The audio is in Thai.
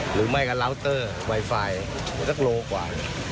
หรือไม่ก็ล้าวเตอร์ไวไฟสักโลกว่า